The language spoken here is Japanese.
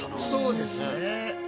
そうですね。